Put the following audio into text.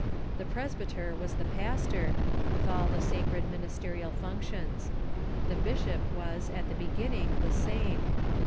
The presbyter was the pastor, with all the sacred ministerial func tions. The bishop was, at the beginning, the same.